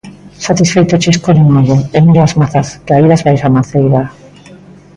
Satisfeito, chíscolle un ollo, e miro as mazás, caídas baixo a maceira.